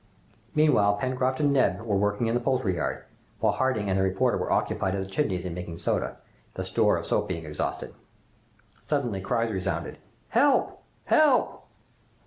Meanwhile, Pencroft and Neb were working in the poultry yard, while Harding and the reporter were occupied at the Chimneys in making soda, the store of soap being exhausted. Suddenly cries resounded, "Help! help!"